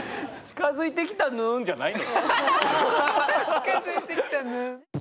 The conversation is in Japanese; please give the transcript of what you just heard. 「近づいてきたぬん」。